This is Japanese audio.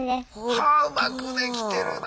はあうまくできてるな。